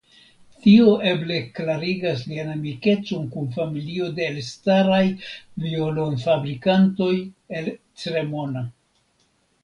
Tio eble klarigas lian amikecon kun familio de elstaraj violonfabrikantoj el Cremona.